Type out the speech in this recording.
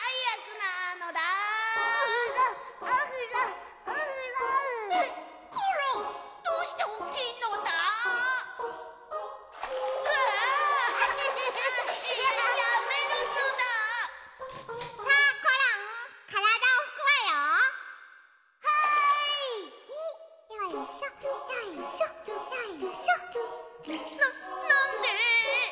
ななんで？